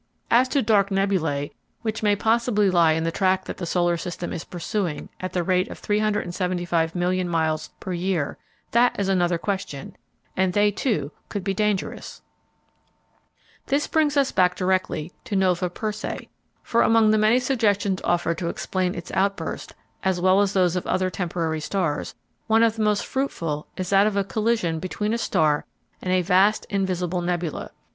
As to dark nebulæ which may possibly lie in the track that the solar system is pursuing at the rate of 375,000,000 miles per year, that is another question—and they, too, could be dangerous! [Illustration: Nova Persei, with its nebular rings] This brings us directly back to "Nova Persei," for among the many suggestions offered to explain its outburst, as well as those of other temporary stars, one of the most fruitful is that of a collision between a star and a vast invisible nebula.